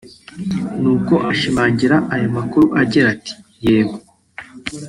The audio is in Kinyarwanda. nuko ashimangira aya makuru agira ati “yego